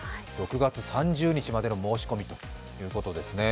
６月３０日までの申し込みということですね。